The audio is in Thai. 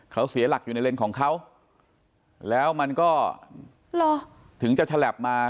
เขาเสียหลักอยู่ในเลนส์ของเขาแล้วมันก็ถึงจะฉลับมา